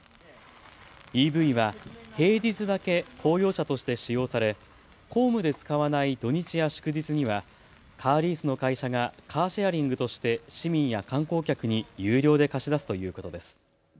ＥＶは平日だけ公用車として使用され、公務で使わない土日や祝日にはカーリースの会社がカーシェアリングとして市民や観光客に有料で貸し出すということです。